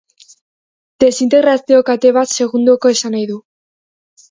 Desintegrazio-kate bat segundoko esanahi du.